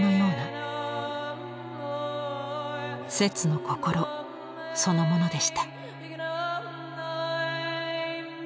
摂の心そのものでした。